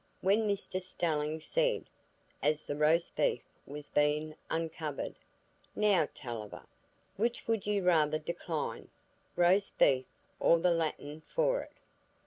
When Mr Stelling said, as the roast beef was being uncovered, "Now, Tulliver! which would you rather decline, roast beef or the Latin for it?"